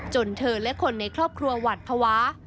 เธอและคนในครอบครัวหวัดภาวะ